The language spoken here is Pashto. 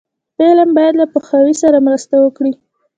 فلم باید له پوهاوي سره مرسته وکړي